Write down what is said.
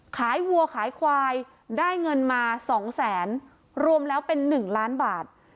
วัวขายควายได้เงินมา๒แสนรวมแล้วเป็น๑ล้านบาท